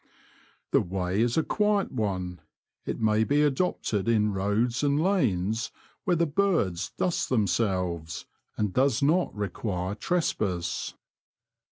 The way is a quiet one ; it may be adopted in roads and lanes where the birds dust themselves, and does not require trespass.